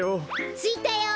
ついたよ。